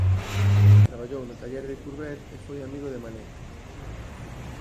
Traballou no taller de Courbet e foi amigo de Manet.